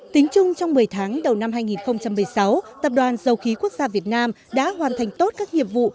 tính chung trong một mươi tháng đầu năm hai nghìn một mươi sáu tập đoàn dầu khí quốc gia việt nam đã hoàn thành tốt các nhiệm vụ